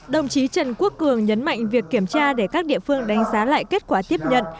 đồng chí trần quốc cường nhấn mạnh việc kiểm tra để các địa phương đánh giá lại kết quả tiếp nhận